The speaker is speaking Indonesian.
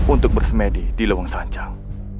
untuk bersemedi di leweng sanjang